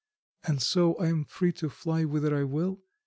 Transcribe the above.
And so I am free to fly whither I will?